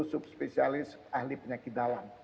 subspesialis ahli penyakit dalam